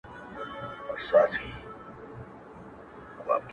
نه ،نه محبوبي زما.